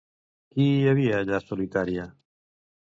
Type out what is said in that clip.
Qui hi havia allà solitària?